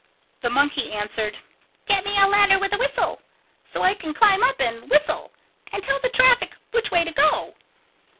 The monkey answered, "Get me a ladder with a whistle so I can climb up and whistle and tell the traffic which way to go."